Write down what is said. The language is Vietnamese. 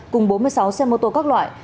cùng bốn mươi sáu xe mô tô các loại